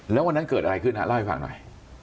แล้ววันนั้นเกิดอะไรขึ้นฮะเล่าให้ฟังหน่อย